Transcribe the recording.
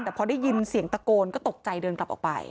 แต่พอได้ยินเสียงตะโกนก็ตกใจเดินกลับออกไป